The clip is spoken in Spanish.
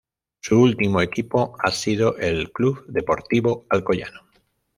Su último equipo ha sido el Club Deportivo Alcoyano.